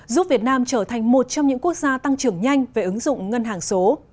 giúp việt nam trở thành một trong những quốc gia tăng trưởng nhanh về ứng dụng ngân hàng số